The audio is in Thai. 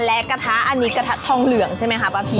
และกระทะอันนี้กระทะทองเหลืองใช่ไหมคะป้าพี